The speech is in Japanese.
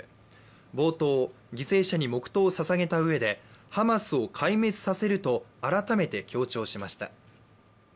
冒頭、犠牲者に黙とうをささげたうえでハマスを壊滅させると改めて強調しました。